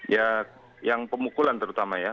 ya yang pemukulan terutama ya